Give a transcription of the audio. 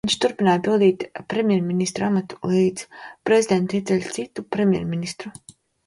Viņš turpināja pildīt premjerministra amatu, līdz prezidente ieceļ citu premjerministru.